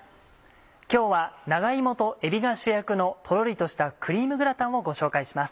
今日は長芋とえびが主役のとろりとしたクリームグラタンをご紹介します。